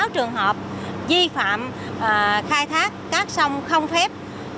hai mươi sáu trường hợp di phạm khai thác cát sông không phép